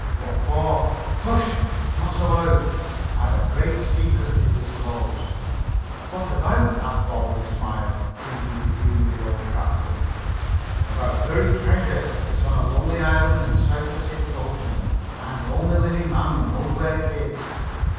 "What for?" "Hush! Not so loud. I've a great secret to disclose." "What about?" asked Bob with a smile, thinking to humor the old captain. "About buried treasure. It's on a lonely island in the Southern Pacific Ocean. I'm the only living man who knows where it is.